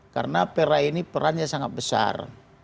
karena pera ini perannya sangat besar